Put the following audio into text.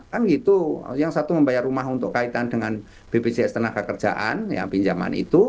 kan gitu yang satu membayar rumah untuk kaitan dengan bpjs tenaga kerjaan yang pinjaman itu